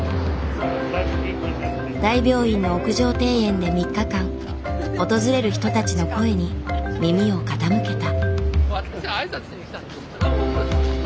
大病院の屋上庭園で３日間訪れる人たちの声に耳を傾けた。